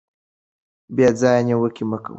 بې ځایه نیوکې مه کوئ.